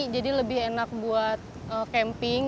jadi lebih enak buat camping